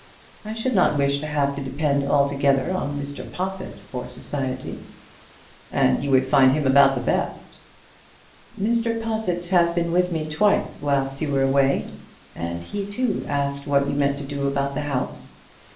I should not wish to have to depend altogether on Mr. Possitt for society." "And you would find him about the best." "Mr. Possitt has been with me twice whilst you were away, and he, too, asked what you meant to do about the house."